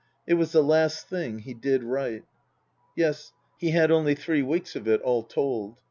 It was the last thing he did write. Yes : he had only three weeks of it, all told.